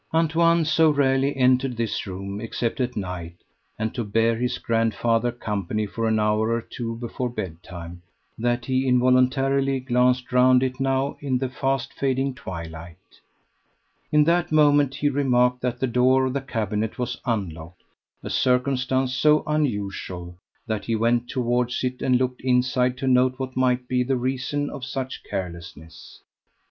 Antoine so rarely entered this room except at night, and to bear his grandfather company for an hour or two before bed time, that he involuntarily glanced round it now in the fast fading twilight. In that moment he remarked that the door of the cabinet was unlocked a circumstance so unusual that he went towards it and looked inside to note what might be the reason of such carelessness.